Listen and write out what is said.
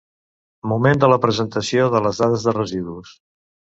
Moment de la presentació de les dades de residus.